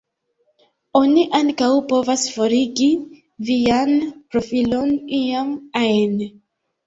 Oni ankaŭ povas "forigi" vian profilon iam ajn.